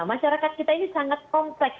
masyarakat kita ini sangat kompleks